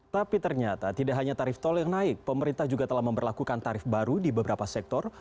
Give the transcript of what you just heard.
tapi ternyata tidak hanya tarif tol yang naik pemerintah juga telah memperlakukan tarif baru di beberapa sektor